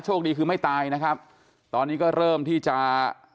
คดีคือไม่ตายนะครับตอนนี้ก็เริ่มที่จะ